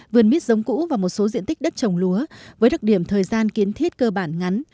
vườn mít giống cũ và một số diện tích đất trồng lúa với đặc điểm thời gian kiến thiết cơ bản ngắn